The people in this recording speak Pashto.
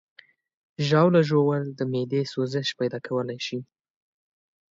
ژاوله ژوول د معدې سوزش پیدا کولی شي.